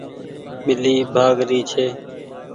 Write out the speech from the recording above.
ٻلي ڀآگ ري ڇي۔